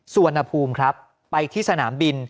สุวรรณภูมิครับไปที่สนามบิน